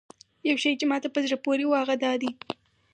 یو شی چې ماته په زړه پورې و هغه دا دی.